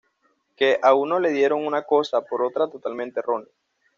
Que a uno le dieron una cosa por otra totalmente errónea.